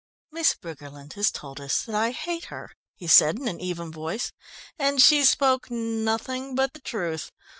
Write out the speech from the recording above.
"Miss Briggerland has told us that I hate her," he said in an even voice, "and she spoke nothing but the truth.